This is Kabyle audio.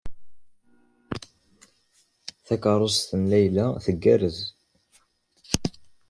Takeṛṛust n Layla tgerrez.